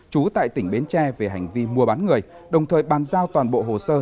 trú tại tỉnh bến tre về hành vi mua bán người đồng thời bàn giao toàn bộ hồ sơ